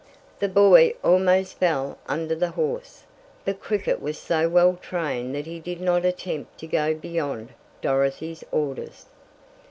The boy almost fell under the horse, but Cricket was so well trained that he did not attempt to go beyond Dorothy's orders.